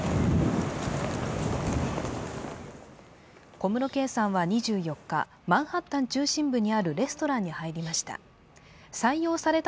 小室圭さんは２４日、マンハッタン中心部にあるレストランに入りました。